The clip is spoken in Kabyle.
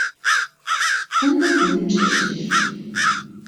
Anda-ten yimcac-ik?